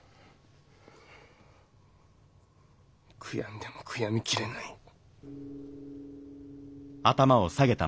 悔やんでも悔やみきれない。